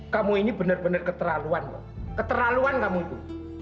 kamu ini bener bener keterlaluan pak keterlaluan kamu itu